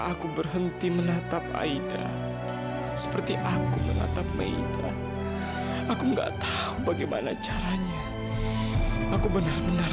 aku berhenti menatap aida seperti aku menatap aida aku enggak tahu bagaimana caranya aku benar benar